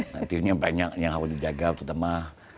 nanti ini banyak yang harus dijaga terutama